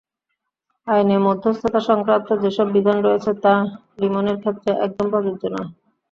আইনে মধ্যস্থতাসংক্রান্ত যেসব বিধান রয়েছে, তা লিমনের ক্ষেত্রে একদম প্রযোজ্য নয়।